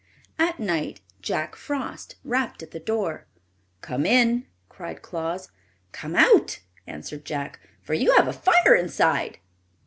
At night Jack Frost rapped at the door. "Come in!" cried Claus. "Come out!" answered Jack, "for you have a fire inside."